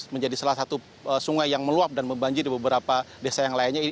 menjadi salah satu sungai yang meluap dan membanjir di beberapa desa yang lainnya